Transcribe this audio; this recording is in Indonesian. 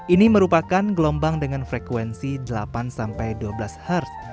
ini merupakan gelombang dengan frekuensi delapan sampai dua belas herz